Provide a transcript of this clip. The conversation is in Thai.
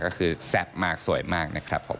ก็คือแซ่บมากสวยมากนะครับผม